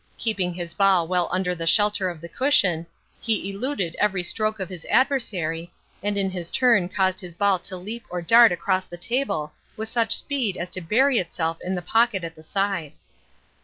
Keeping his ball well under the shelter of the cushion, he eluded every stroke of his adversary, and in his turn caused his ball to leap or dart across the table with such speed as to bury itself in the pocket at the side.